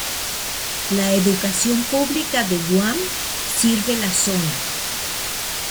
La Educación pública de Guam sirve la zona.